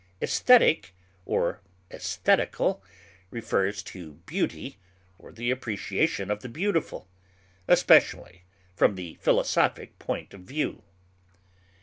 Esthetic or esthetical refers to beauty or the appreciation of the beautiful, especially from the philosophic point of view.